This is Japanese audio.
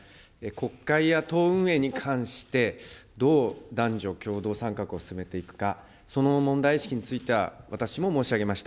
国会や党運営に関して、どう男女共同参画を進めていくか、その問題意識については、私も申し上げました。